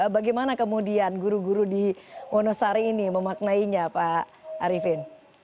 bagaimana kemudian guru guru di wonosari ini memaknainya pak arifin